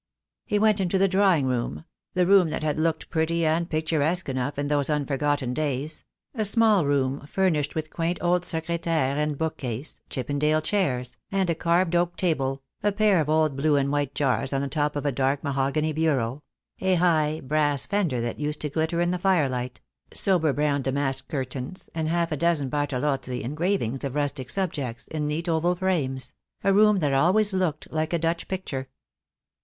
He went into the drawing room — the room that had looked pretty and picturesque enough in those unforgotten days — a small room furnished with quaint old secretaire and bookcase, Chippendale chairs, and a carved oak table, a pair of old blue and white jars on the top of a dark mahogany bureau, a high, brass fender that used to glitter in the firelight, sober brown damask curtains, and half a dozen Bartolozzi engravings of rustic subjects, in neat oval frames — a room that always looked like a Dutch picture.